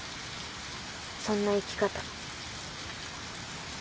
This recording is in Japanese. そんな生き方。